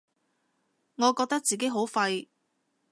我覺得自己好廢